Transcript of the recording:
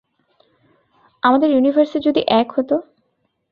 আমাদের ইউনিভার্সে যদি এক হতো।